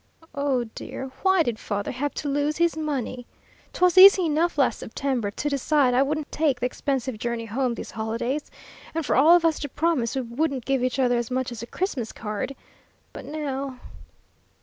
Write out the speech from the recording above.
"Oh, dear, why did father have to lose his money? 'Twas easy enough last September to decide I wouldn't take the expensive journey home these holidays, and for all of us to promise we wouldn't give each other as much as a Christmas card. But now!"